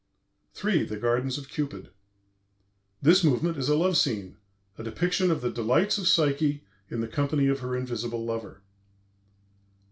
III. THE GARDENS OF CUPID This movement is a love scene, "a depiction of the delights of Psyche in the company of her invisible lover."